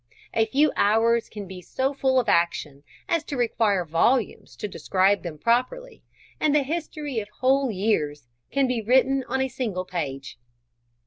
A few hours can be so full of action, as to require volumes to describe them properly, and the history of whole years can be written on a single page.